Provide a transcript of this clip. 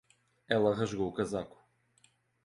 Ela rasgou o casaco.